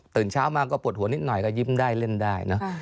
เช้ามาก็ปวดหัวนิดหน่อยก็ยิ้มได้เล่นได้เนอะ